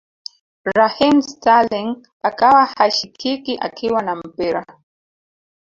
Raheem Sterling akawa hashikiki akiwa na mpira